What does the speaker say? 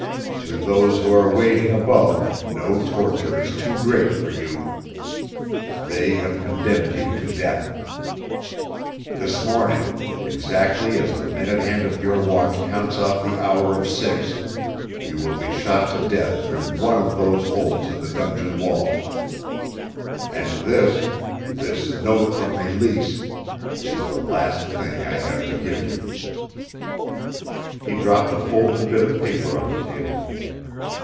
To those who are waiting above no torture is too great for you. They have condemned you to death. This morning, exactly as the minute hand of your watch counts off the hour of six, you will be shot to death through one of these holes in the dungeon walls. And this this note from Meleese is the last thing I have to give you." He dropped a folded bit of paper on the table.